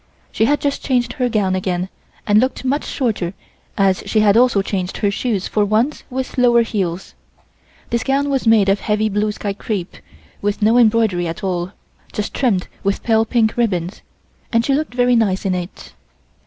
She had just changed her gown again and looked much shorter as she had also changed her shoes for ones with lower heels. This gown was made of heavy sky blue crepe with no embroidery at all, just trimmed with pale pink ribbons, and she looked very nice in it.